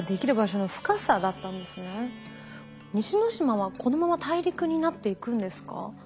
西之島はこのまま大陸になっていくんですか？